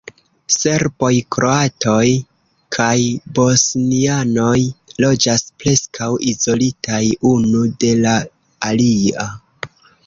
Serboj, kroatoj kaj bosnianoj loĝas preskaŭ izolitaj unu de la alia.